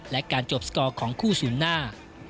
และการจบสกอร์ของคู่ศูนย์หน้า